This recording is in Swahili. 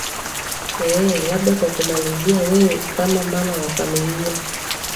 ee labda kwa kumalizia wewe kama mama wa familia